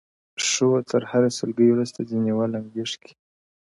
ښه وو تر هري سلگۍ وروسته دي نيولم غېږ کي،